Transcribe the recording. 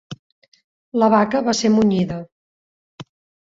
La vaca va ser munyida.